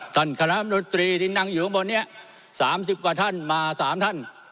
ท่านคณะรัฐมนตรีที่นั่งอยู่ข้างบนเนี้ยสามสิบกว่าท่านมาสามท่าน